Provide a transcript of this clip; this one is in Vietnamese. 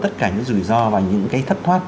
tất cả những rủi ro và những cái thất thoát